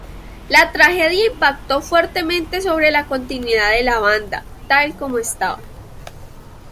La tragedia impactó fuertemente sobre la continuidad de la banda, tal como estaba.